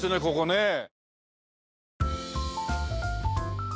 ここね。